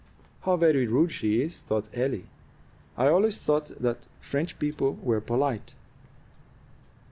"How very rude she is!" thought Ellie. "I always thought that French people were polite."